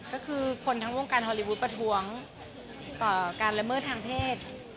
ก็คือคนทั้งวงการฮอลลีวูดประท้วงการละเมิดทางเพศ